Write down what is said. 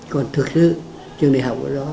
còn thực sự trường đại học ở đó